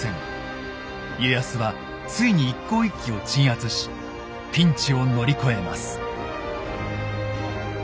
家康はついに一向一揆を鎮圧しピンチを乗り越えます。